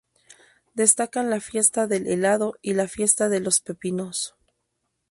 Destacan la fiesta del helado y la fiesta de los pepinos.